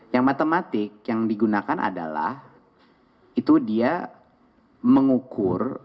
yang matematik yang digunakan adalah itu dia mengukur